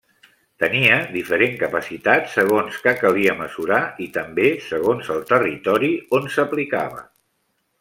Tenia diferent capacitat segons què calia mesurar i també segons el territori on s'aplicava.